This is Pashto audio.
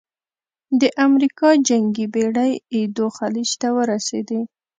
د امریکا جنګي بېړۍ ایدو خلیج ته ورسېدې.